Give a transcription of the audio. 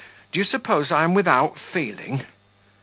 Do you suppose I am without feeling?"